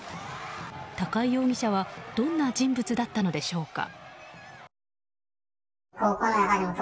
高井容疑者はどんな人物だったのでしょうか。